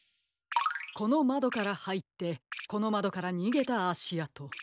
このまどからはいってこのまどからにげたあしあと。